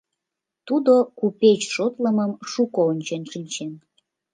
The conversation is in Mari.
Тудо купеч шотлымым шуко ончен шинчен.